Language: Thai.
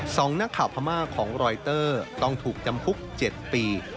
สองนักข่าวพม่าของรอยเตอร์ต้องถูกจำคุก๗ปี